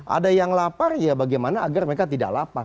ada yang lapar ya bagaimana agar mereka tidak lapar